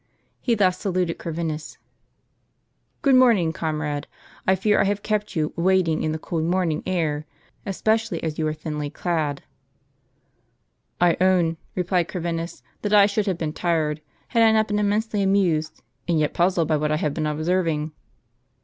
He thus saluted Corvinus : "Good morning, comrade; I fear I have kept you waiting in the cold morning air, especially as you are thinly clad." " I own," replied Corvinus, "that I should have been tired, had I not been immensely amused and yet puzzled, by what I have been observing."